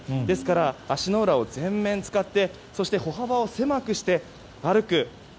ですから、足の裏を全面使ってそして歩幅を狭くして歩く。